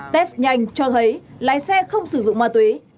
test nhanh cho thấy lái xe không sử dụng ma túy